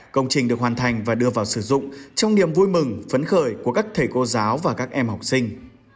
công trình được hoàn thành và đưa vào sử dụng trong niềm vui mừng phấn khởi của các thầy cô giáo và các em học sinh